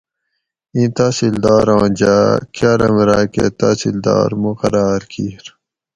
اِیں تحصیلداراں جاۤ کالام راۤکہ تحصیلدار مقراۤر کیر